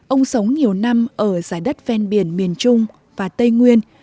ông sống nhiều năm ở giải đất ven biển miền trung và tây nguyên